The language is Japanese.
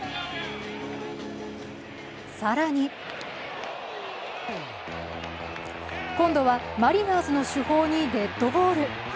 更に今度はマリナーズの主砲にデッドボール。